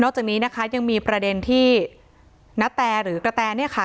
จากนี้นะคะยังมีประเด็นที่ณแตหรือกระแตเนี่ยค่ะ